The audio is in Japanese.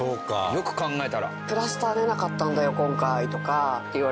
よく考えたら。